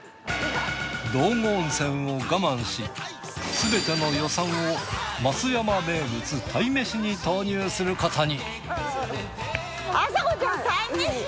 道後温泉を我慢し全ての予算を松山名物鯛めしに投入することに。